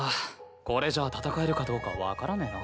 これじゃ戦えるかどうか分からねえな。